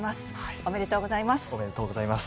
おめでとうございます。